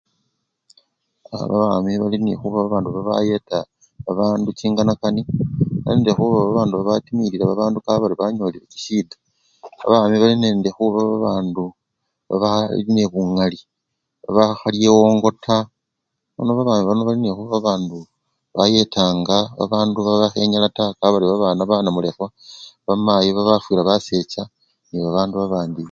Aa babami balinekhuba babandu bayeta babandu chinganakane balinende khuba babandu babatimilila babandu kabari banyolile chishida, babami bano bali nende khuba babandu bali nende bungali babakhalya ewongo taa, nono babami bano bali nekhuba babandu bayetanga babandu babakhenyala taa kabari babana banamulekhwa, bamayi babafwilwa basecha nebabandu babandi.